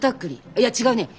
いや違うね。